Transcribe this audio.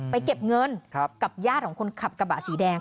เก็บเงินกับญาติของคนขับกระบะสีแดง